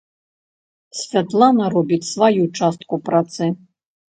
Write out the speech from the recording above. Святлана робіць сваю частку працы.